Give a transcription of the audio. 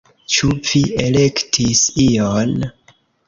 Ĉu vi elektis ion?